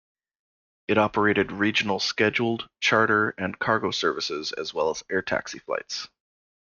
It operated regional scheduled, charter and cargo services, as well as air taxi flights.